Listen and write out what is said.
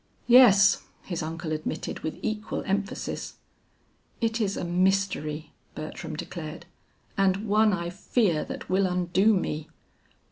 "Yes," his uncle admitted, with equal emphasis. "It is a mystery," Bertram declared; "and one I fear that will undo me."